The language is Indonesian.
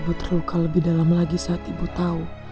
ibu terluka lebih dalam lagi saat ibu tahu